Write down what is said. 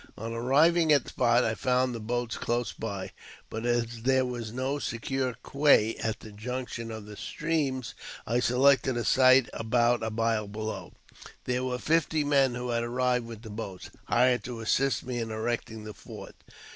On arriving at the spot, I found the boats close by, but as there was no secure quay at the junction of the streams, I selected a site about a mile below. There were fifty men, who had arrived with the boats, hired to assist me in erecting the fort.